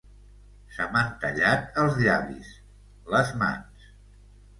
Se m'han tallat els llavis, les mans.